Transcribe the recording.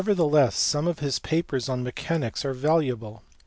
theless some of his papers on mechanics are valuable.